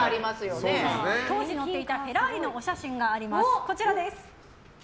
当時乗っていたフェラーリのお写真です。